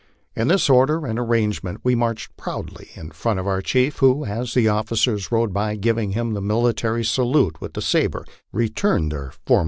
In this order and arrangement we marched proudly in front of our chief, who, as the officers rode by giving him the military salute with the sabre, returned their forma.